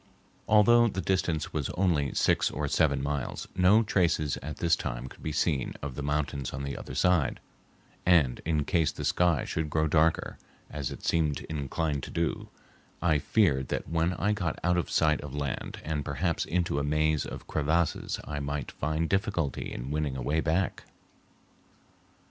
Although the distance was only six or seven miles, no traces at this time could be seen of the mountains on the other side, and in case the sky should grow darker, as it seemed inclined to do, I feared that when I got out of sight of land and perhaps into a maze of crevasses I might find difficulty in winning a way back.